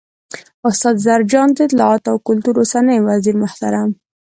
، استاد زرجان، د اطلاعات او کلتور اوسنی وزیرمحترم